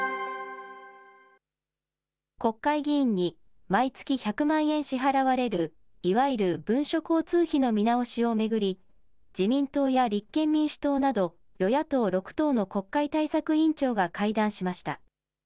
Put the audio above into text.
国会議員に毎月１００万円支払われる、いわゆる文書交通費の見直しを巡り、自民党や立憲民主党など、与野党６党の国会対策委員長が会談しました。